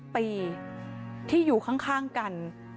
ปีที่อยู่ข้างกัน